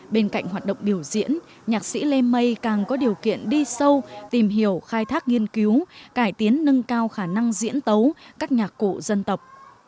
bên cạnh hoạt động biểu diễn nhạc sĩ lê mây càng có điều kiện đi sâu tìm hiểu khai thác nghiên cứu cải tiến nâng cao khả năng diễn tấu các nhạc cụ dân tộc